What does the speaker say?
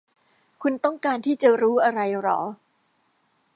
คุณต้องการที่จะรู้อะไรหรอ